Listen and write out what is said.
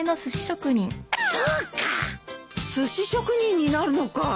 すし職人になるのかい？